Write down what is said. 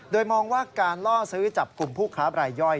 โดยมองว่าการล่อซื้อจับกลุ่มผู้ค้าบรายย่อย